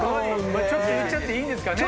ちょっと言っちゃっていいんですかね。